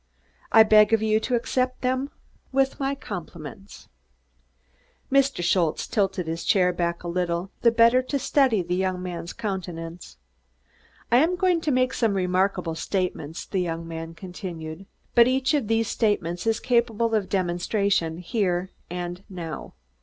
I beg of you to accept them with my compliments." Mr. Schultze tilted his chair back a little, the better to study the young man's countenance. "I am going to make some remarkable statements," the young man continued, "but each of those statements is capable of demonstration here and now.